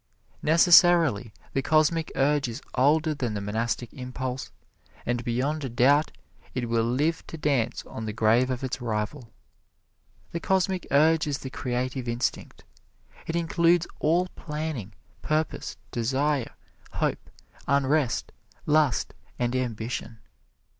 Necessarily, the Cosmic Urge is older than the Monastic Impulse; and beyond a doubt it will live to dance on the grave of its rival. The Cosmic Urge is the creative instinct. It includes all planning, purpose, desire, hope, unrest, lust and ambition.